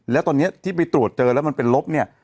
แล้วตอนนี้ที่ไปตรวจเจอแล้วมันเป็นลบเนี่ย